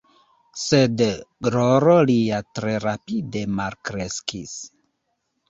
Sed gloro lia tre rapide malkreskis.